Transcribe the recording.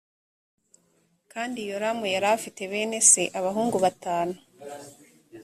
kandi yoramu yari afite bene se abahungu batanu